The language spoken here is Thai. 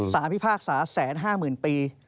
สรรพิพากษาแสนห้าหมื่นปี